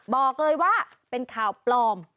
บอกเลยว่าเป็นข่าวปลอม